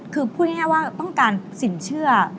คือพูดง่ายว่าต้องการสินเชื่อ